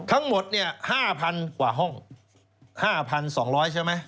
ทั้งหมด๕๐๐๐กว่าห้อง๕๒๐๐ใช่ไหม